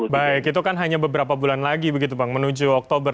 baik itu kan hanya beberapa bulan lagi begitu bang menuju oktober